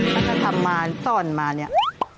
เราจะทำมาส่วนมาเนี่ย